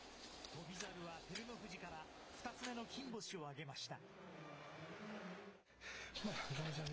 翔猿は照ノ富士から２つ目の金星を挙げました。